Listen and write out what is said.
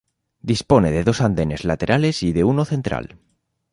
Dispone de dos andenes laterales y de uno central.